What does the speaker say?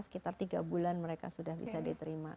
sekitar tiga bulan mereka sudah bisa diterima